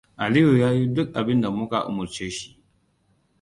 Aliyu yayi duk abinda muka umarce shi.